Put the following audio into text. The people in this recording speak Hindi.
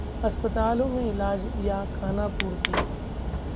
अस्पतालों में इलाज या खानापूर्ति